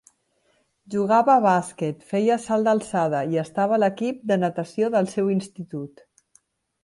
Jugava a bàsquet, feia salt d'alçada i estava a l'equip de natació del seu institut.